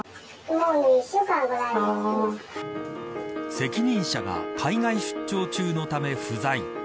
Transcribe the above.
責任者が海外出張中のため不在。